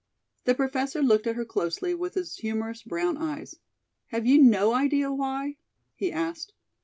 The Professor looked at her closely with his humorous brown eyes. "Have you no idea why?" he asked.